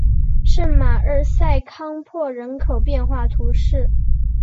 圣马尔瑟康珀人口变化图示